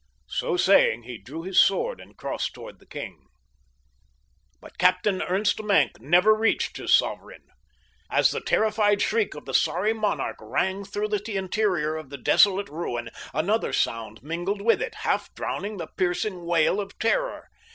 So saying he drew his sword and crossed toward the king. But Captain Ernst Maenck never reached his sovereign. As the terrified shriek of the sorry monarch rang through the interior of the desolate ruin another sound mingled with it, half drowning the piercing wail of terror.